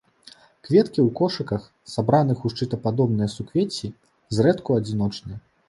Кветкі ў кошыках, сабраных у шчытападобныя суквецці, зрэдку адзіночныя.